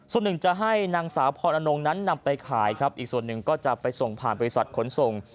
ส่วนหนึ่งจะให้นางสาวพรนงนั้นนำไปขายครับอีกส่วนหนึ่งก็จะไปส่งผ่านบริษัทขนส่ง